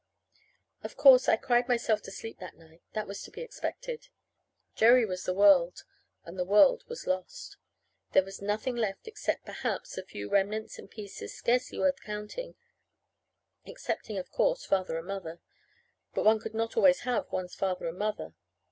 Of course I cried myself to sleep that night. That was to be expected. Jerry was the world; and the world was lost. There was nothing left except, perhaps, a few remnants and pieces, scarcely worth the counting excepting, of course, Father and Mother. But one could not always have one's father and mother.